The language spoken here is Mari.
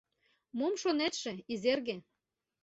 Мом шонетше, Изерге?..